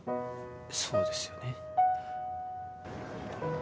そうですよね。